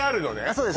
そうです